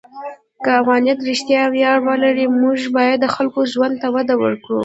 که افغانیت رښتیا ویاړ ولري، موږ باید د خلکو ژوند ته وده ورکړو.